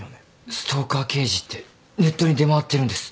ストーカー刑事ってネットに出回ってるんです。